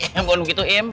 bukan begitu im